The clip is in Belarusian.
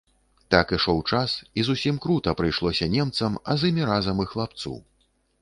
Так ішоў час, і зусім крута прыйшлося немцам, а з імі разам і хлапцу.